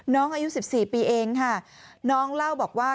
น้องอายุ๑๔ปีเองค่ะน้องเล่าบอกว่า